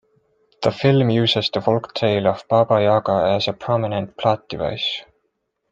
The film uses the folktale of Baba Yaga as a prominent plot device.